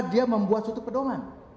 dia membuat suatu pedoman